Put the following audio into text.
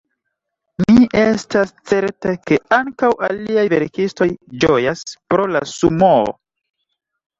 Mi estas certa, ke ankaŭ aliaj verkistoj ĝojas pro la Sumoo.